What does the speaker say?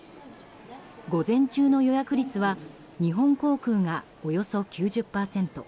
午前中の予約率は日本航空がおよそ９０％。